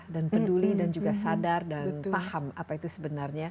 dan peduli dan juga sadar dan paham apa itu sebenarnya